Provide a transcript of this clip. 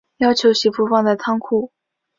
要求媳妇放在仓库